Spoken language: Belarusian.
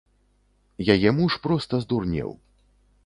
Яе муж проста здурнеў.